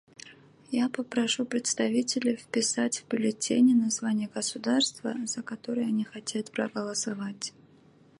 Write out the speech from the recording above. Я попрошу представителей вписать в бюллетени название государства, за которое они хотят проголосовать.